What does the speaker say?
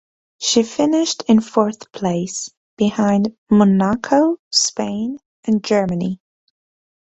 She finished in fourth place, behind Monaco, Spain and Germany.